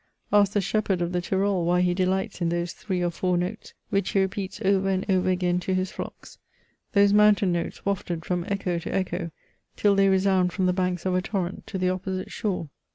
Ask ^^ shepherd of the Tyrol why he delights in those three pr four notes which he repeats over and over again to his flockfrr— tjiose moi^itain notes wafted ^m echo to echp till they resoipid from the banks of a torrent to the opposite shore?